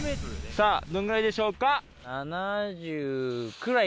さぁどんぐらいでしょうか？